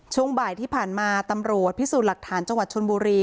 ช่วงบ่ายที่ผ่านมาตำรวจพิสูจน์หลักฐานจังหวัดชนบุรี